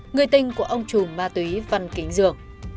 người tinh của ông trùm ma túy văn kính dường